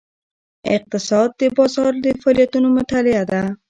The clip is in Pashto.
اقتصاد د بازار د فعالیتونو مطالعه ده.